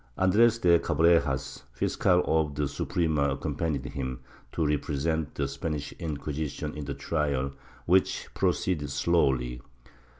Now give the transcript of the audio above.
Andres de Cabrejas, fiscal of the Suprema, accompanied him, to represent the Spanish Inquisition in the trial which proceeded slowly.